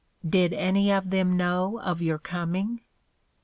Did any of them know of your coming?